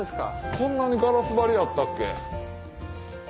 こんなにガラス張りやったっけ？